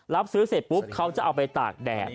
รับซื้อเสร็จปุ๊บเขาจะเอาไปตากแดด